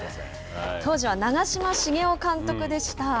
当時は長嶋茂雄監督でした。